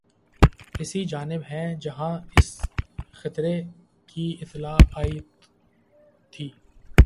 اسی جانب ہیں جہاں سے خطرے کی اطلاع آئی تھی